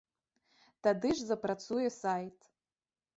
Тады ж запрацуе сайт.